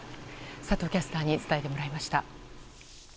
佐藤キャスターに伝えてもらいました。